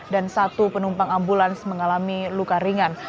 dan satu penumpang ambulans mengalami luka ringan